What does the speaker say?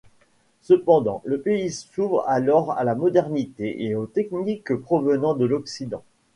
Cependant le pays s'ouvre alors à la modernité et aux techniques provenant de l'Occident.